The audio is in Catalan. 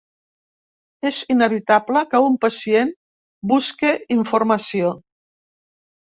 És inevitable que un pacient busque informació.